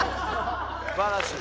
素晴らしい！